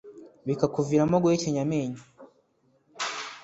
bikakuviramo guhekenya amenyo